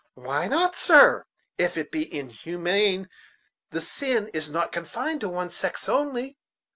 "Why not, sir? If it be inhuman the sin is not confined to one sex only.